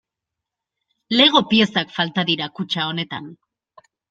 Lego piezak falta dira kutxa honetan.